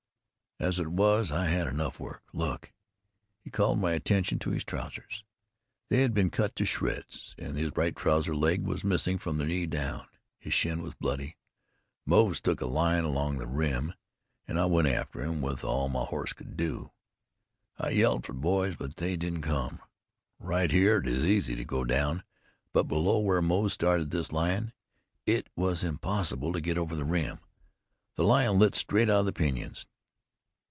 As it was I had enough work. Look!" He called my attention to his trousers. They had been cut to shreds, and the right trouser leg was missing from the knee down. His shin was bloody. "Moze took a lion along the rim, and I went after him with all my horse could do. I yelled for the boys, but they didn't come. Right here it is easy to go down, but below, where Moze started this lion, it was impossible to get over the rim. The lion lit straight out of the pinyons.